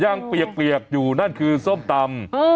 เปียกอยู่นั่นคือส้มตำ